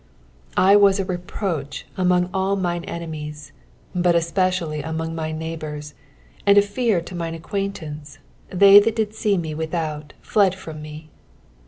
11 I was a reproach among all mine enemies, but especially among my neighbours, and a fear to mine acquaintance ; they that did see me without fled from me.